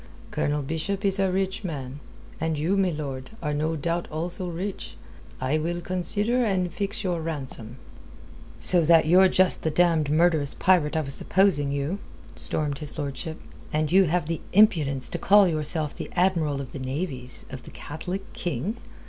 Colonel Bishop is a rich man; and you, milord, are no doubt also rich. I will consider and fix your ransom." "So that you're just the damned murderous pirate I was supposing you," stormed his lordship. "And you have the impudence to call yourself the Admiral of the Navies of the Catholic King?